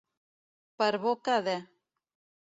Per boca de.